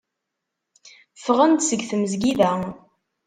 Ffɣen-d seg tmezgida.